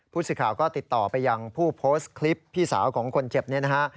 ผู้สื่อข่าวก็ติดต่อไปยังผู้โพสต์คลิปพี่สาวของคนเจ็บเนี่ยนะฮะ